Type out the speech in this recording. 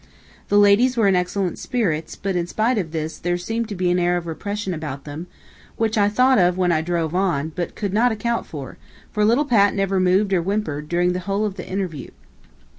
The ladies were in excellent spirits, but in spite of this, there seemed to be an air of repression about them, which I thought of when I drove on, but could not account for, for little Pat never moved or whimpered, during the whole of the interview.